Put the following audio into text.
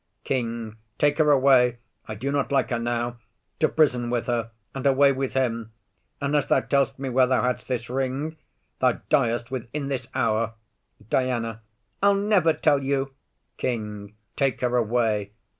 KING. Take her away, I do not like her now. To prison with her. And away with him. Unless thou tell'st me where thou hadst this ring, Thou diest within this hour. DIANA. I'll never tell you. KING. Take her away.